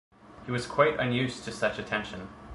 He was quite unused to such attention.